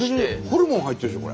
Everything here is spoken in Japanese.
ホルモン入ってるでしょ